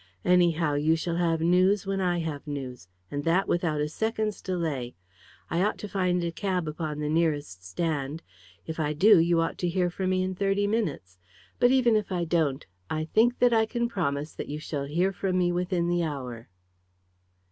Anyhow, you shall have news when I have news, and that without a second's delay. I ought to find a cab upon the nearest stand. If I do, you ought to hear from me in thirty minutes. But even if I don't, I think that I can promise that you shall hear from me within the hour."